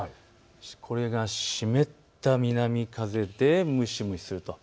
これが湿った南風で蒸し蒸しすると。